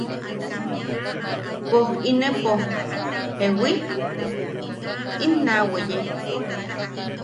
Poj inepo ¿jewi? im naa weye.